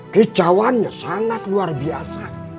kicauannya sangat luar biasa